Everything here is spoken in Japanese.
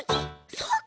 そっか！